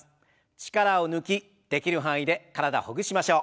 力を抜きできる範囲で体ほぐしましょう。